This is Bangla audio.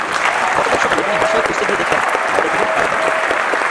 গতকাল সকালে তিনি বাসায় খুঁজতে গিয়ে দেখেন, বাইরে থেকে তালা দেওয়া।